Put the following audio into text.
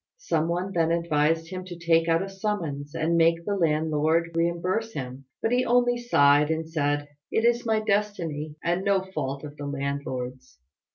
Some one then advised him to take out a summons and make the landlord reimburse him; but he only sighed, and said, "It is my destiny, and no fault of the landlord's."